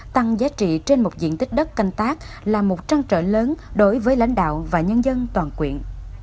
tăng giá trị trên một diện tích đất canh tác là một trăng trở lớn đối với lãnh đạo và nhân dân toàn quyện